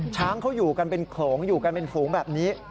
ช้างเขาอยู่กันเป็นโขลงอยู่กันเป็นฝูงแบบนี้